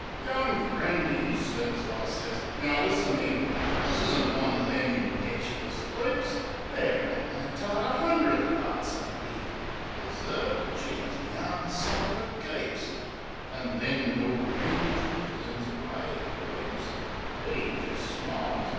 "Young friend," 'e sez — I sez, "Now, listen 'ere: This isn't one o' them impetchus leaps. There ain't no tart a 'undreth part so dear As 'er. She 'as me 'eart an' soul fer keeps!" An' then Doreen, she turns away an' weeps; But 'e jist smiles.